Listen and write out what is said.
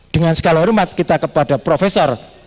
dengan segala hormat kita kepada profesor